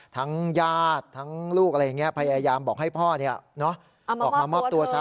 ทั้งญาติทั้งลูกอะไรอย่างนี้พยายามบอกให้พ่อเนี่ยเอามามอบตัวเถอะ